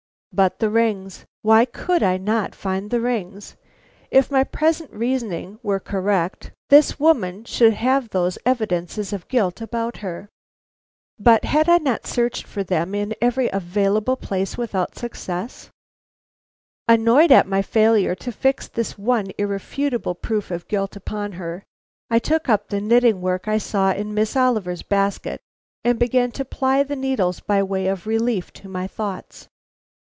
But the rings? Why could I not find the rings? If my present reasoning were correct, this woman should have those evidences of guilt about her. But had I not searched for them in every available place without success? Annoyed at my failure to fix this one irrefutable proof of guilt upon her, I took up the knitting work I saw in Miss Oliver's basket, and began to ply the needles by way of relief to my thoughts.